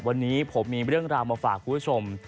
วันนี้ผมมีเรื่องราวมาฝากคุณผู้ชม